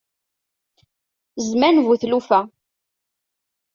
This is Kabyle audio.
Zzman bu tlufa.